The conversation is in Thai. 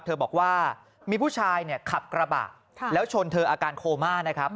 บอกว่ามีผู้ชายเนี่ยขับกระบะแล้วชนเธออาการโคม่านะครับ